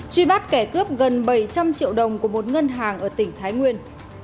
truy bắt kẻ cướp gần bảy trăm linh triệu đồng của một ngân hàng ở tỉnh thái nguyên